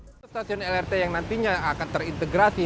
atau stasiun lrt yang nantinya akan terintegrasi